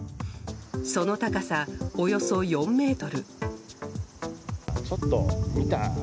その高さ、およそ４ｍ。